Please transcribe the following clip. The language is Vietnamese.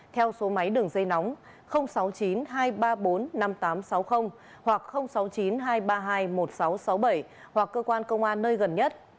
theo số máy đường dây nóng sáu mươi chín hai trăm ba mươi bốn năm nghìn tám trăm sáu mươi hoặc sáu mươi chín hai trăm ba mươi hai một nghìn sáu trăm sáu mươi bảy hoặc cơ quan công an nơi gần nhất